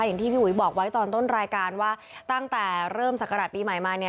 อย่างที่พี่อุ๋ยบอกไว้ตอนต้นรายการว่าตั้งแต่เริ่มศักราชปีใหม่มาเนี่ย